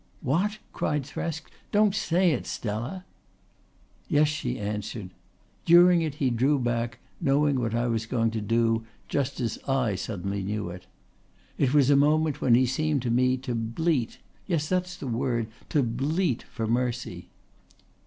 "What?" cried Thresk. "Don't say it, Stella!" "Yes," she answered. "During it he drew back, knowing what I was going to do just as I suddenly knew it. It was a moment when he seemed to me to bleat yes, that's the word to bleat for mercy."